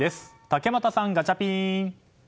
竹俣さん、ガチャピン！